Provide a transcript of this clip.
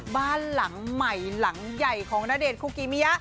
บ้านหลังใหม่หลังใหญ่ของณเดชนคุกิมิยะ